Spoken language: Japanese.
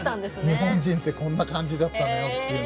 日本人ってこんな感じだったのよっていう。